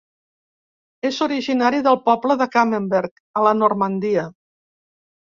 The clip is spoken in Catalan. És originari del poble de Camembert, a la Normandia.